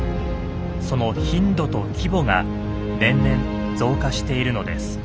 その頻度と規模が年々増加しているのです。